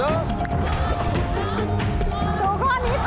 ถูกถูกถูก